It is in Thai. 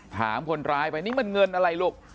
ถามคนร้ายไปนี่มันเงินอะไรลูก